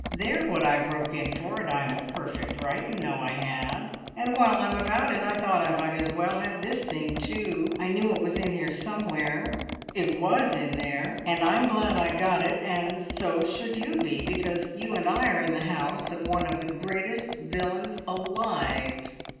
They're what I broke in for, and I'd a perfect right; you know I had! And while I'm about it I thought I might as well have this thing too. I knew it was in here somewhere. It was in there. And I'm glad I got it, and so should you be, because you and I are in the house of one of the greatest villains alive!"